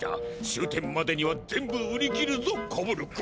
終点までには全部売り切るぞコブル君。